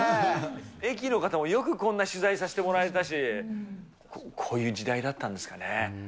駅の方も、よくこんな取材させてもらえたし、こういう時代だったんですかね。